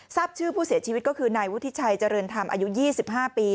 ชื่อผู้เสียชีวิตก็คือนายวุฒิชัยเจริญธรรมอายุ๒๕ปี